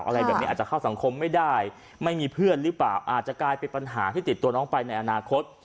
อะไรแบบนี้อาจจะเข้าสังคมไม่ได้ไม่มีเพื่อนหรือเปล่าอาจจะกลายเป็นปัญหาที่ติดตัวน้องไปในอนาคต